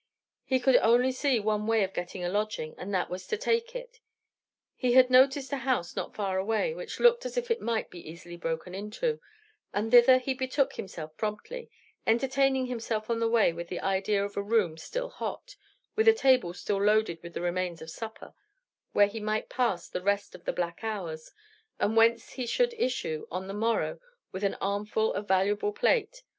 He could only see one way of getting a lodging, and that was to take it. He had noticed a house not far away which looked as if it might be easily broken into, and thither he betook himself promptly, entertaining himself on the way with the idea of a room still hot, with a table still loaded with the remains of supper, where he might pass the rest of the black hours, and whence he should issue, on the morrow, with an armful of valuable plate.